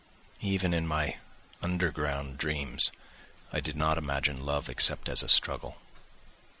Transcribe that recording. Even in my underground dreams I did not imagine love except as a struggle.